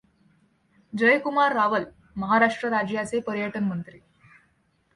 जयकुमार रावल महाराष्ट्र राज्याचे पर्यटन मंत्री